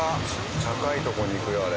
高いとこに行くよあれ。